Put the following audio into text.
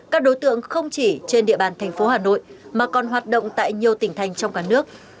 các đối tượng không chỉ trên địa bàn thành phố hà nội mà còn hoạt động tại nhiều tỉnh thành trong cả nước